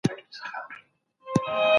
د ماشوم وزن بدلون وڅارئ.